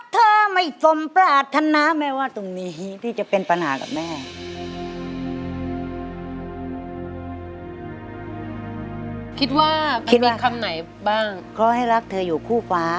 ถ้าหากจะให้รักเธออยู่คู่ฟ้า